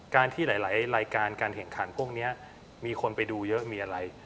ที่หลายรายการการแข่งขันพวกนี้มีคนไปดูเยอะมีอะไร